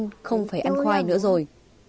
chúng tôi không phải ăn khoai nữa rồi